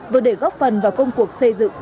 vừa để góp phần vào công cuộc xây dựng